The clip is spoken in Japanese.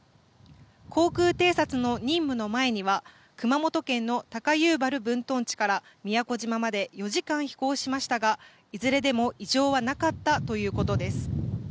航空偵察の任務の前には熊本県の高遊原分屯地から宮古島まで４時間飛行しましたがいずれでも異常はなかったということです。